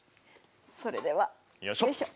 それではよいしょ！